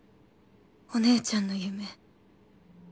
お姉ちゃんの夢